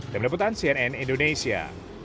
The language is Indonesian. demi deputan cnn indonesia